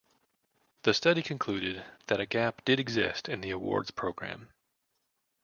The study concluded that a gap did exist in the awards program.